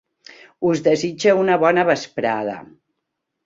Us desitja una bona vesprada.